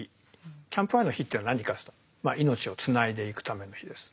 キャンプファイヤーの火っていうのは何かっていうと命をつないでいくための火です。